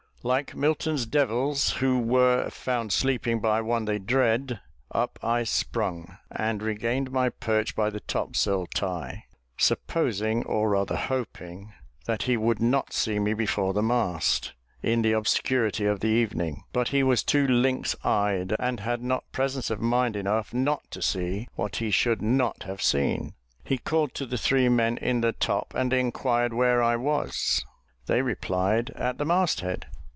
Like Milton's devils, who were "found sleeping by one they dread," up I sprung, and regained my perch by the topsail tie, supposing, or rather hoping, that he would not see me before the mast, in the obscurity of the evening; but he was too lynx eyed, and had not presence of mind enough not to see what he should not have seen. He called to the three men in the top, and inquired where I was? They replied at the mast head.